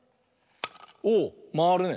おまわるね。